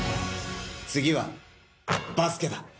次は、バスケだ。